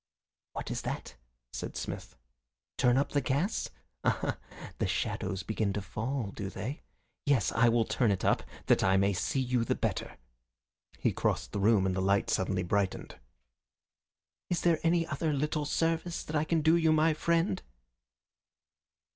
"What is that?" said Smith. "Turn up the gas? Ah, the shadows begin to fall, do they? Yes, I will turn it up, that I may see you the better." He crossed the room and the light suddenly brightened. "Is there any other little service that I can do you, my friend?"